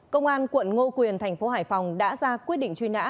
công an quận ngô quyền tp hải phòng đã ra quyết định truy nã